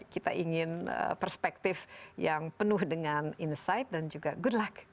kita ingin perspektif yang penuh dengan insight dan juga good luck